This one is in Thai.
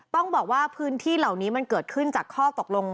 ต้องบอกว่าพื้นที่เหล่านี้มันเกิดขึ้นจากข้อตกลง